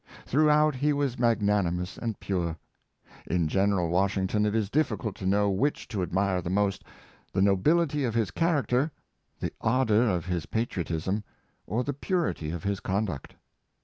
Throughout he was magnani mous and pure. In General Washington it is difficult to know which to admire the most — the nobility of his character, the ardor of his patriotism, or the purity of his conduct.